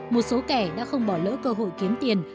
một số kẻ đã không bỏ lỡ cơ hội kiếm tiền